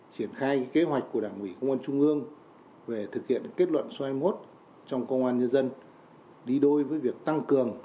triển khai kế hoạch của đảng ủy công an trung ương về thực hiện kết luận số hai mươi một trong công an nhân dân